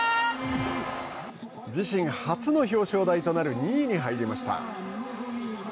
自身の初の表彰台となる２位に入りました。